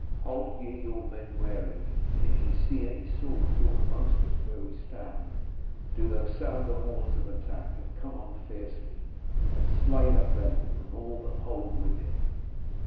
Hold ye your men warily, and if ye see any sword drawn among us where we stand, do thou sound the horns of attack and come on fiercely, and slay that rebel and all that hold with him.'